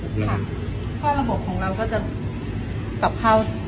เพราะระบบของเราก็จะกลับเข้า